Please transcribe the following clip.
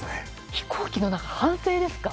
飛行機の中で反省ですか？